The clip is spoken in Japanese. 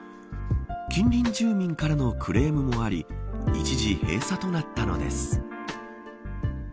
近隣住民からのクレームもあり一時閉鎖となったのです。